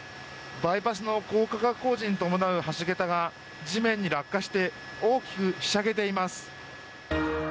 バイパスの高架化工事に伴う橋桁が地面に落下して大きくひしゃげています。